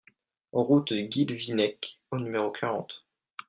Route du Guilvinec au numéro quarante